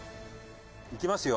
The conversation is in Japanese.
「いきますよ」